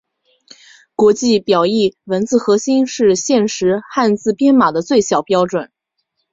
国际表意文字核心是现时汉字编码的最小标准。